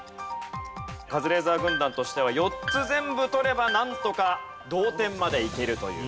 カズレーザー軍団としては４つ全部取ればなんとか同点までいけるという。